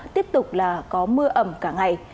tiếp tục là có mưa ẩm cả ngày